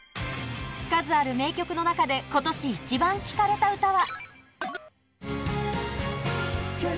数ある名曲の中で今年イチバン聴かれた歌は。